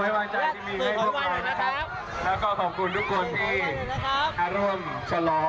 แล้วก็ขอบคุณทุกคนที่จะร่วมฉลอง